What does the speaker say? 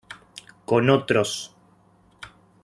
Con otros